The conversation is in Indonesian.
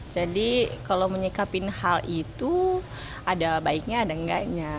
jadi kalau menyikapin hal itu ada baiknya ada enggaknya